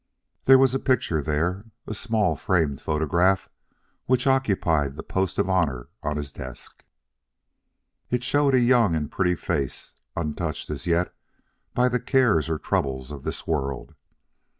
There was a picture there; a small framed photograph which occupied the post of honor on his desk. It showed a young and pretty face, untouched, as yet, by the cares or troubles of this world.